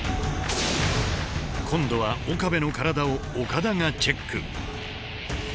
今度は岡部の体を岡田がチェック。